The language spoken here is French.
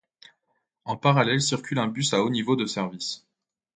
En parallèle circule un bus à haut niveau de service.